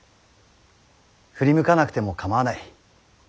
振り向かなくても構わない。